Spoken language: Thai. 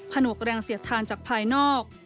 หนวกแรงเสียดทานจากภายนอก